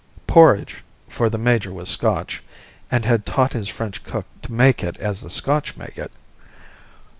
Porridge, for the major was Scotch, and had taught his French cook to make it as the Scotch make it.